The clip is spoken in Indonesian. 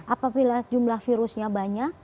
apabila jumlah virusnya banyak